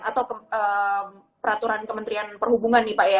atau peraturan kementerian perhubungan nih pak ya